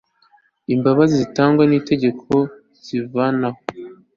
imbabazi zitangwa n itegeko zivanaho